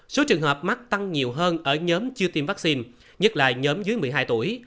số trường hợp mắc tăng nhiều hơn ở nhóm chưa tiêm vaccine nhất là nhóm dưới một mươi hai tuổi